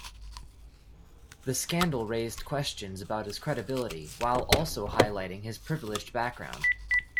The scandal raised questions about his credibility while also highlighting his privileged background.